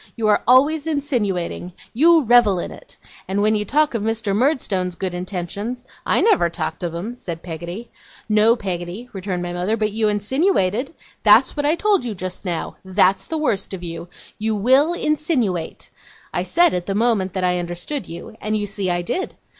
You are always insinuating. You revel in it. And when you talk of Mr. Murdstone's good intentions ' 'I never talked of 'em,' said Peggotty. 'No, Peggotty,' returned my mother, 'but you insinuated. That's what I told you just now. That's the worst of you. You WILL insinuate. I said, at the moment, that I understood you, and you see I did.